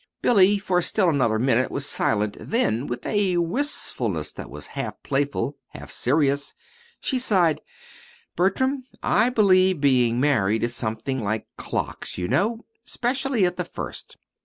Billy, for still another minute, was silent; then, with a wistfulness that was half playful, half serious, she sighed: "Bertram, I believe being married is something like clocks, you know, 'specially at the first."